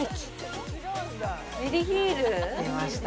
出ました